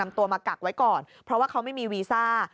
ตัวมากักไว้ก่อนเพราะว่าเขาไม่มีวีซ่า